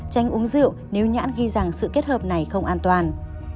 tránh uống rượu nếu nhãn ghi rằng sự kết hợp này không an toàn